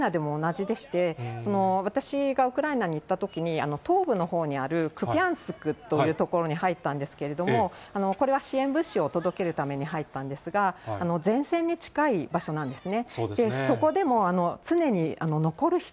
これは、ウクライナでも同じでして、私がウクライナに行ったときに東部のほうにある、クヒャンスクという所に入ったんですけれども、これは支援物資を届けるために入ったんですが、前線に近い場所なんですね。